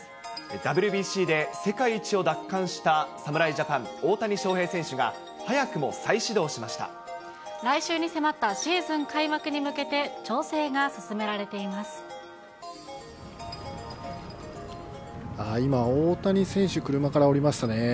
ＷＢＣで世界一を奪還した侍ジャパン、大谷翔平選手が、早くも再来週に迫ったシーズン開幕に今、大谷選手、車から降りましたね。